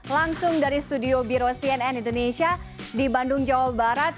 langsung dari studio biro cnn indonesia di bandung jawa barat